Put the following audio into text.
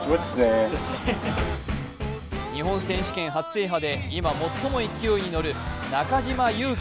日本選手権初制覇で今、最も勢いに乗る中島佑気